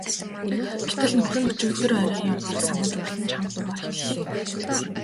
Гэтэл нөхөр нь өчигдөр оройн явдлыг санаж уурлан чанга дуугаар хэллээ.